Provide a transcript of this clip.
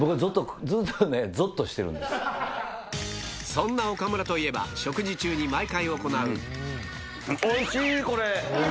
そんな岡村といえば食事中に毎回行うおいＣこれ。